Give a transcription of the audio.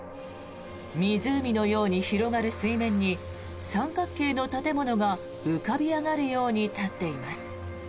湖のように広がる水面に三角形の建物が浮かび上がるように立っています。